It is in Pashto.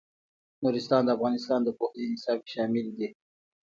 نورستان د افغانستان د پوهنې نصاب کې شامل دي.